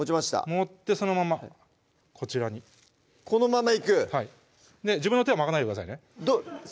持ってそのままこちらにこのままいく自分の手は巻かないでくださいね